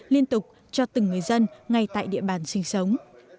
liên tục cho từng người dân ngay tại địa bàn sinh sống